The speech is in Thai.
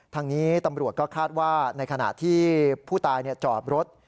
ทางนี้ตำรวจก็คาดว่าในขณะที่ผู้ตายจอดรถ